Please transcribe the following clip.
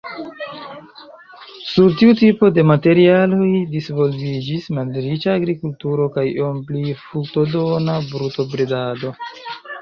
Sur tiu tipo de materialoj disvolviĝis malriĉa agrikulturo kaj iom pli fruktodona brutobredado.